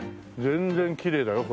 全然きれいだよ。